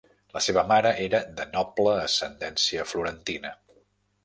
La seva mare era de noble ascendència florentina.